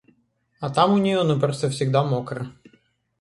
А там у нее, ну, просто всегда мокро.